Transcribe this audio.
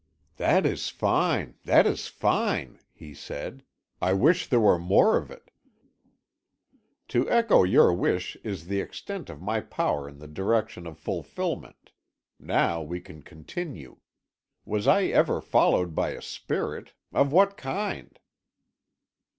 "That is fine, that is fine!" he said; "I wish there were more of it." "To echo your wish is the extent of my power in the direction of fulfilment. Now we can continue. Was I ever followed by a spirit? Of what kind?"